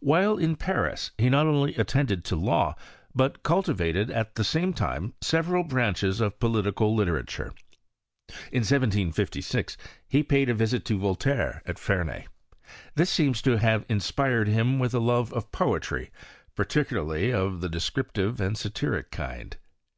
While in Paris, he not only attended to law, but cultivated at the same time several branches of polite literature. In 1756 he paid a visit to Vol taire, at Ferney. This seems to have inspired him with a love of poetry, particularly of the descriptive and satiric kind.